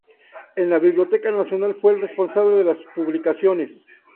En la Biblioteca Nacional fue el responsable de las publicaciones.